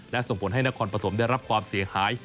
และส่งผลให้นครปฐมได้รับความเสียหาย